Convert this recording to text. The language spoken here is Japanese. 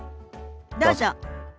どうぞ。